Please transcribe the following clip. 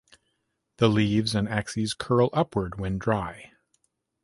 The leaves and axes curl upward when dry.